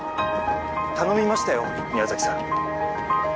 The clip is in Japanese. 頼みましたよ宮崎さん